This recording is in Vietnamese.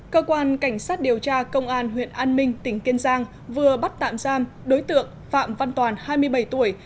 cơ quan cảnh sát điều tra công an huyện an minh tỉnh kiên giang vừa bắt tạm giam đối tượng phạm văn toàn hai mươi bảy tuổi